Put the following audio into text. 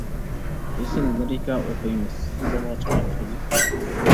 ئېسىل لىرىكا ئوقۇيمىز، سىز بولغاچقا سۈزۈك ئاي.